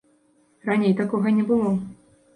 Раней такога не было.